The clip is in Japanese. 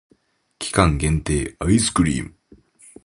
期間限定アイスクリーム